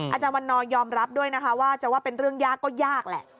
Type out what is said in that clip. อาจารย์วันนอร์ยอมรับด้วยนะคะว่าจะว่าเป็นเรื่องยากก็ยากแหละ